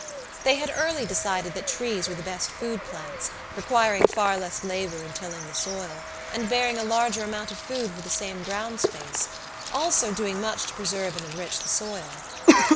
They had early decided that trees were the best food plants, requiring far less labor in tilling the soil, and bearing a larger amount of food for the same ground space; also doing much to preserve and enrich the soil.